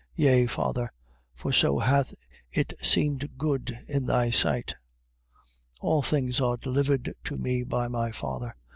Yea, Father: for so hath it seemed good in thy sight. 11:27. All things are delivered to me by my Father.